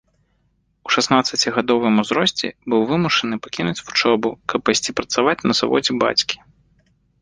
У шаснаццацігадовым узросце быў вымушаны пакінуць вучобу, каб пайсці працаваць на заводзе бацькі.